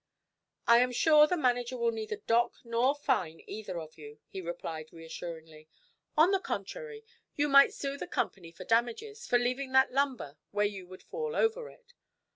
"I am sure the manager will neither dock nor fine either of you," he replied reassuringly. "On the contrary, you might sue the company for damages, for leaving that lumber where you would fall over it."